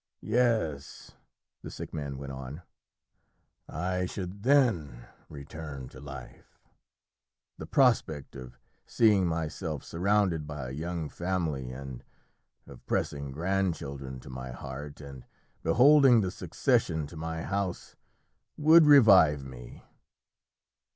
"Yes," the sick man went on, "I should then return to life; the prospect of seeing myself surrounded by a young family, and of pressing grandchildren to my heart, and beholding the succession to my house, would revive me."